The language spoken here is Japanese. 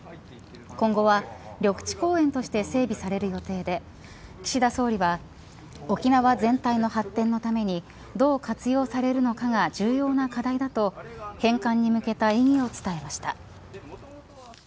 今後は緑地公園として整備される予定で岸田総理は沖縄全体の発展のためにどう活用されるのかが重要な課題だと返還に向けた意義を伝えました。